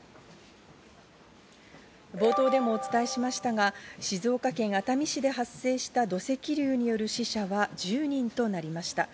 冒頭でもお伝えしましたが、静岡県熱海市で発生した土石流による死者は１０人となりました。